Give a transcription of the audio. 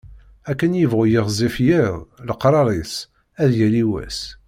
Akken yebɣu yiɣzif yiḍ, leqrar-is ad yali wass.